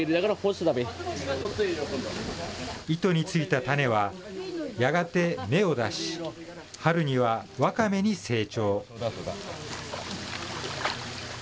糸についたタネは、やがて芽を出し、春にはワカメに成長。